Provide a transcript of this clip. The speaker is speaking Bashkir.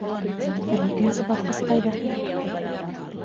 —Ә икенсе баҫҡыс ҡайҙа?